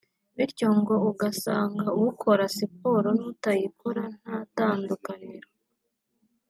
bityo ngo ugasanga ukora siporo n’utayikora nta tandukaniro